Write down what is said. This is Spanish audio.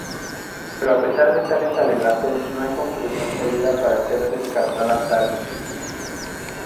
Pero a pesar de tales alegatos no hay conclusión sólida para ser descartada tal.